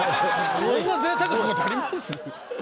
こんなぜいたくなことあります？